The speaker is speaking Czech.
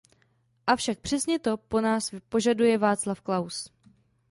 Avšak přesně to po nás požaduje Václav Klaus.